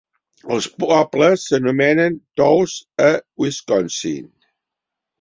Els pobles s'anomenen "towns" a Wisconsin.